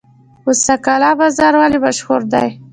موسی قلعه بازار ولې مشهور دی؟